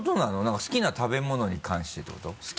なんか好きな食べ物に関してってこと？